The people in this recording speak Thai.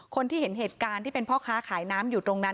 คนที่เห็นเหตุการณ์ที่เป็นพ่อค้าขายน้ำอยู่ตรงนั้น